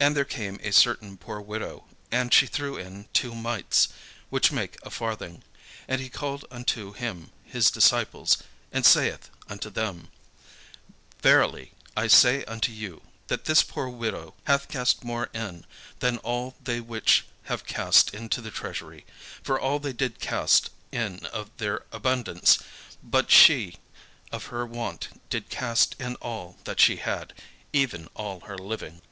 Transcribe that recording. And there came a certain poor widow, and she threw in two mites, which make a farthing. And he called unto him his disciples, and saith unto them: "Verily I say unto you, that this poor widow hath cast more in, than all they which have cast into the treasury: for all they did cast in of their abundance; but she of her want did cast in all that she had, even all her living."